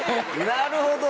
なるほど！